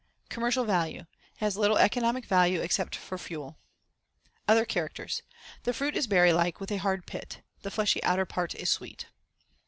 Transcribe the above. Commercial value: It has little economic value except for fuel. Other characters: The fruit is berry like, with a hard pit. The fleshy outer part is sweet.